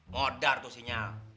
modar tuh sinyal